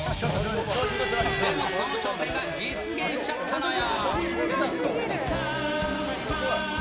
でもその挑戦が実現しちゃったのよ。